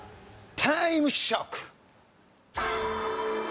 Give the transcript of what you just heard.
タイムショック！